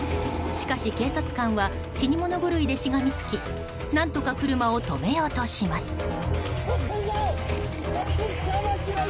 しかし、警察官は死に物狂いでしがみつき何とか車を止めようとします。